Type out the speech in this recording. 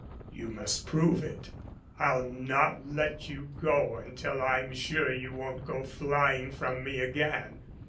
"You must prove it. I'll not let you go until I'm sure you won't go flying from me again."